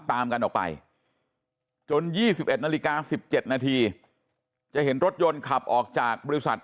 ตามกันออกไปจน๒๑นาฬิกา๑๗นาทีจะเห็นรถยนต์ขับออกจากบริษัท